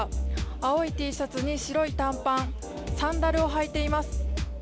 青いＴシャツに白い短パンサンダルを履いています。